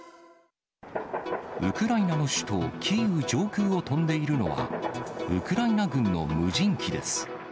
ウクライナの首都キーウ上空を飛んでいるのは、ウクライナ軍の無人機です。